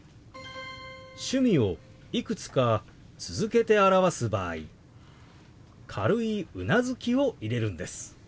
趣味をいくつか続けて表す場合軽いうなずきを入れるんです。